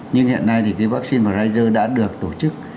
nhưng hiện nay thì cái vaccine pfizer đã được tổ chức